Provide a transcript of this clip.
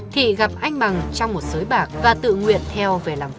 thị gặp anh bằng trong một sới bạc và tự nguyện theo